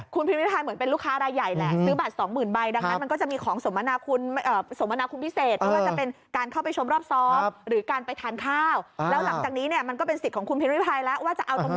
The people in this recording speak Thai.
คุณพิมพ์ริพายเหมือนเป็นลูกค้ารายใหญ่แหละ